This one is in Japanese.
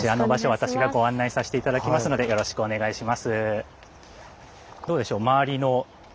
私がご案内させて頂きますのでよろしくお願いします。